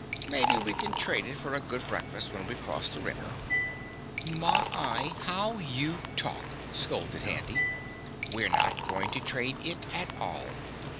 Maybe we can trade it for a good breakfast when we cross the river." "My y how you talk!" scolded Handy. "We're not going to trade it at all.